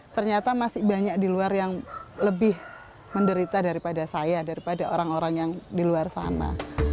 ternyata masih banyak di luar yang lebih menderita daripada saya daripada orang orang yang di luar sana